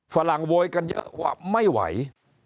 ฝรั่งโวยกันเยอะว่าไม่ไหว